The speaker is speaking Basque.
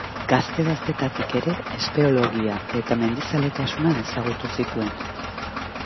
Gazte-gaztetatik ere espeleologia eta mendizaletasuna ezagutu zituen.